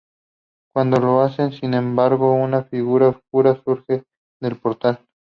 Cuando lo hacen, sin embargo, una figura oscura surge del portal.